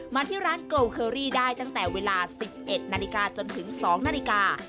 มาที่ร้านโกเคอรี่ได้ตั้งแต่เวลา๑๑นาฬิกาจนถึง๒นาฬิกา